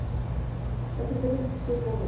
La capital del distrito es Mongomo.